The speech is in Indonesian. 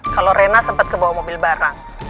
kalau rena sempat ke bawah mobil barang